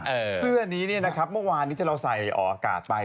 มีเสื้อนี้เมื่อวานถ้าใส่ออกกาศไป